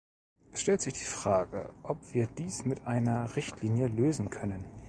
Es stellt sich die Frage, ob wir dies mit einer Richtlinie lösen können.